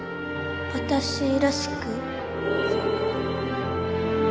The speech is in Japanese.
私らしく？